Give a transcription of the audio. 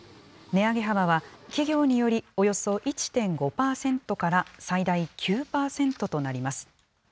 値上げ幅は企業によりおよそ１．５％から最大９％となります。